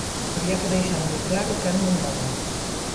Había que deixar moi claro quen mandaba.